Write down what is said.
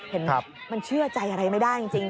เห็นมันเชื่อใจอะไรไม่ได้จริง